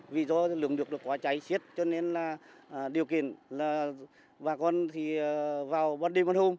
vì do lượng nước được quá cháy siết cho nên là điều kiện là bà con thì vào bắt đêm ăn hôm